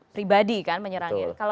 pribadi kan menyerangnya